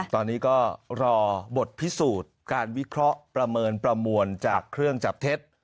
ตอนนี้ก็รอบดพิสูจน์การวิเคราะห์ประเมินประมวลจากเครื่องจับเท็จ